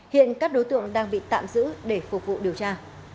hiện các đối tượng đang bị tạm giữ để phục vụ điều tra